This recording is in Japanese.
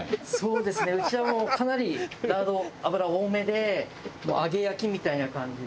うちはもうかなりラード油多めでもう揚げ焼きみたいな感じで。